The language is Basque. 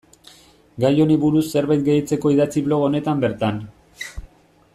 Gai honi buruz zerbait gehitzeko idatzi blog honetan bertan.